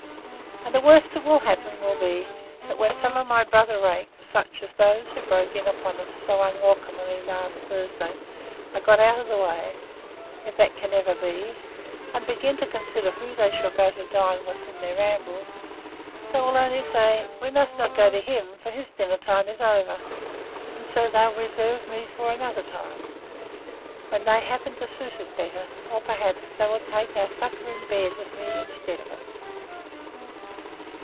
And the worst that will happen will be, that when some of my brother rakes, such as those who broke in upon us, so unwelcomely, last Thursday, are got out of the way, if that can ever be, and begin to consider who they shall go to dine with in their rambles, they will only say, We must not go to him, for his dinner time is over; and so they'll reserve me for another time, when they happen to suit it better; or, perhaps, they will take a supper and a bed with me instead of it.